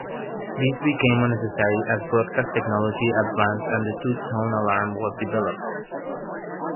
This became unnecessary as broadcast technology advanced and the two-tone alarm was developed.